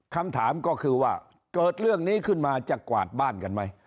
คำถามก็คือว่าเกิดเรื่องนี้ขึ้นมาจะกวาดบ้านกันไหม